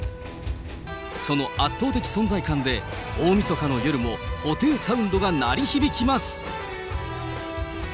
その圧倒的存在感で、大みそかの夜も布袋サウンドが鳴り響きます。